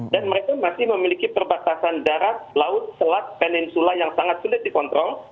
dan mereka masih memiliki perbatasan darat laut selat peninsula yang sangat sulit dikontrol